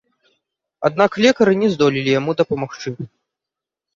Аднак лекары не здолелі яму дапамагчы.